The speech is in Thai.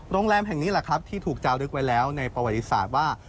โรงแรมแห่งนี้แหละครับที่ถูกจารึกไว้แล้วในประวัติศาสตร์ว่า